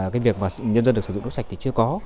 cái việc mà nhân dân được sử dụng nước sạch thì chưa có